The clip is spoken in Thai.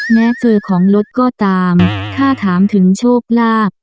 แม้เจอของรถก็ตามถ้าถามถึงโชคลาภ